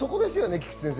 菊地先生。